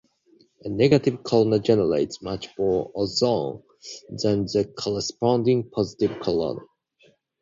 A negative corona generates much more ozone than the corresponding positive corona.